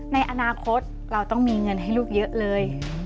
ในอนาคตเราต้องมีเงินให้ลูกเยอะเลย